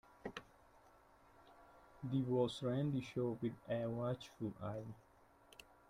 The boss ran the show with a watchful eye.